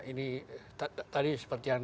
ini tadi seperti yang